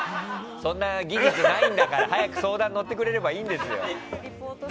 そんな技術ないんだから早く相談乗ってくれればいいんですよ。